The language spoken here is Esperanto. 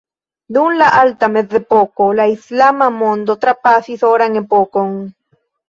Dum la Alta Mezepoko, la islama mondo trapasis oran epokon.